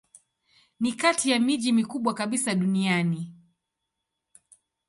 Ni kati ya miji mikubwa kabisa duniani.